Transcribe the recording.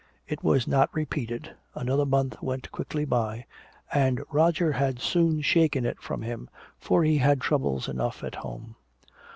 It was not repeated, another month went quickly by, and Roger had soon shaken it from him, for he had troubles enough at home.